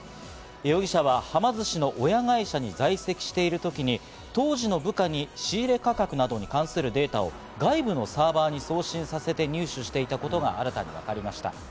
容疑者ははま寿司の親会社に在籍しているときに当時の部下に仕入れ価格などに関するデータを外部のサーバーに送信させて入手していたことが新たに分かりました。